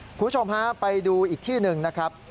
คุณผู้ชมฮะไปดูอีกที่หนึ่งนะครับ